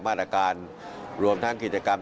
มาตรการรวมทั้งกิจกรรม